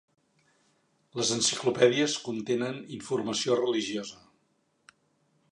Les enciclopèdies contenen informació religiosa.